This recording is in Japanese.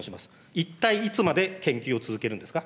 一体、いつまで研究を続けるんですか。